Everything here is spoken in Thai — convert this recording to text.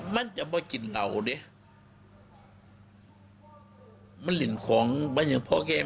มันใช่นี่ห่วงมันหนึ่ง